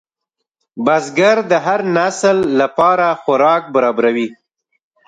بزګر د هر نسل لپاره خوراک برابروي